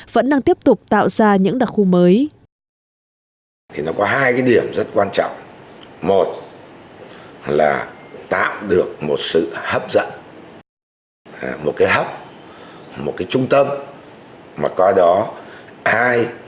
vẫn đang tiếp tục tạo ra những đặc khu mới